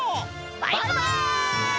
バイバイ！